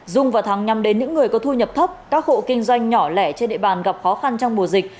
dung và thắng nhằm đến những người có thu nhập thấp các hộ kinh doanh nhỏ lẻ trên địa bàn gặp khó khăn trong mùa dịch